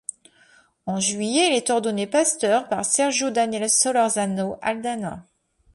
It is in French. En juillet, il est ordonné pasteur par Sergio Daniel Solórzano Aldana.